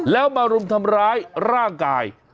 แล้วมารุมทำร้ายร่างกาย